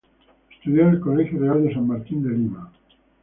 Estudió en el Colegio Real de San Martín de Lima.